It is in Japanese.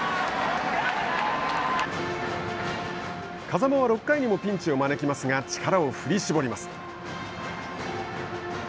風間は６回にもピンチを招きますが力を振り絞ります。